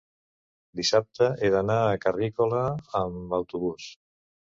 Dissabte he d'anar a Carrícola amb autobús.